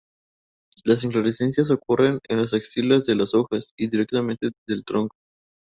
Las inflorescencias ocurren en las axilas de las hojas y directamente desde el tronco.